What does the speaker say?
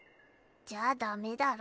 じゃダメだろ。